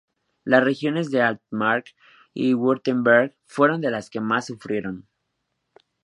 Las regiones de Altmark y Württemberg fueron de las que más sufrieron.